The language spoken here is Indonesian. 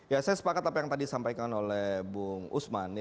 ya saya sepakat apa yang tadi disampaikan oleh bung usman